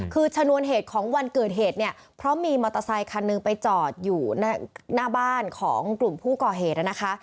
คือชนวนเหตุของวันเกิดเหตุเนี่ยเพราะมีมอเตอร์ไซคันหนึ่งไปจอดอยู่หน้าบ้านของกลุ่มผู้ก่อเหตุนะคะ